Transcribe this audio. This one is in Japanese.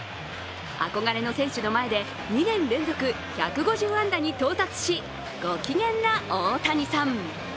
憧れの選手の前で２年連続１５０安打に到達し、ご機嫌な大谷さん。